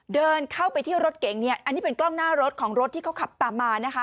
เดินเข้าไปที่รถเก๋งเนี่ยอันนี้เป็นกล้องหน้ารถของรถที่เขาขับตามมานะคะ